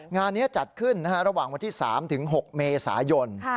งานนี้จัดขึ้นระหว่างวันที่๓๖เมษายน